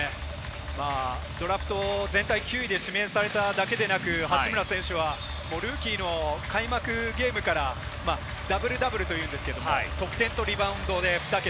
ドラフト全体９位で指名されただけではなく、八村選手はルーキーの開幕ゲームからダブルダブルというんですが、得点とリバウンドで２桁。